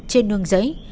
trên nương giấy